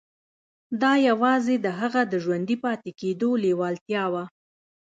دا يوازې د هغه د ژوندي پاتې کېدو لېوالتیا وه.